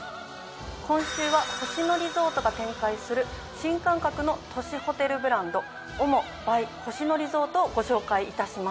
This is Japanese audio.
今週は星野リゾートが展開する新感覚の都市ホテルブランド。をご紹介いたします。